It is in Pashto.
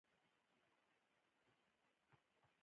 لومړی ګلوله له حلقې څخه تیره کړئ.